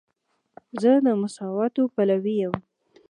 زه د مساواتو پلوی یم.